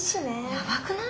やばくない？